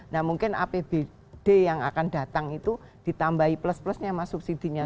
nah mungkin apbd yang akan datang itu ditambahi plus plusnya sama subsidi nya